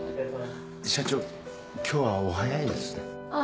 社長今日はお早いですね。